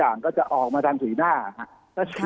อาจก็จะออกมาทางภินาท์